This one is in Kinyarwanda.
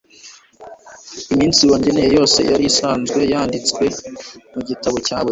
iminsi wangeneye yose yari isanzwe yanditse mu gitabo cyawe